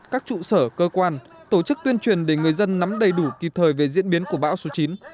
các trụ sở cơ quan tổ chức tuyên truyền để người dân nắm đầy đủ kịp thời về diễn biến của bão số chín